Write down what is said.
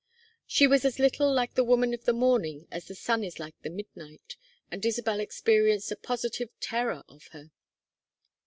She was as little like the woman of the morning as the sun is like the midnight, and Isabel experienced a positive terror of her.